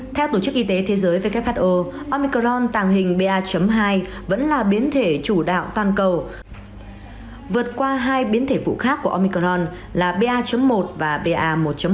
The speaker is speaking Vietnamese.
theo tổ chức y tế thế giới who omicron tàng hình ba hai vẫn là biến thể chủ đạo toàn cầu vượt qua hai biến thể vụ khác của omicron là ba một và ba một